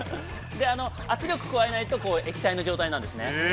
圧力加えないと液体の状態なんですね。